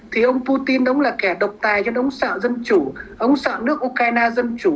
thì ông putin đóng là kẻ độc tài nhưng ông sợ dân chủ ông sợ nước ukraine dân chủ